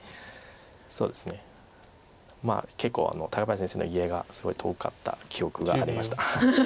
そうですね結構高林先生の家がすごい遠かった記憶がありました。